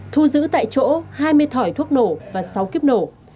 thu giữ tại chỗ hai mươi thỏi thuốc nổ và sáu kíp nổ